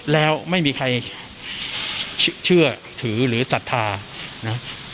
แล้วไม่มีใครเชื่อถือหรือศรัทธานะ